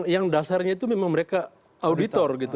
yang dasarnya itu memang mereka auditor gitu